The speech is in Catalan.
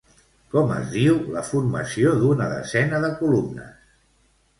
Com es diu la formació d'una desena de columnes?